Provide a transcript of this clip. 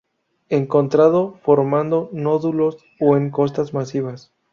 Encontrado formando nódulos o en costras masivas.